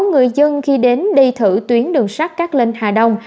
người dân khi đến đi thử tuyến đường sắt các lên hà đông